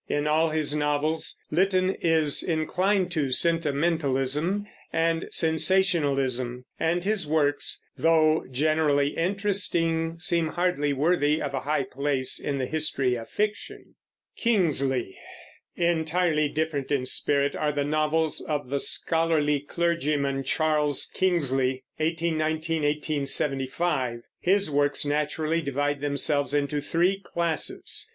In all his novels Lytton is inclined to sentimentalism and sensationalism, and his works, though generally interesting, seem hardly worthy of a high place in the history of fiction. KINGSLEY. Entirely different in spirit are the novels of the scholarly clergyman, Charles Kingsley (1819 1875). His works naturally divide themselves into three classes.